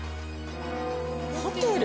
ホテル？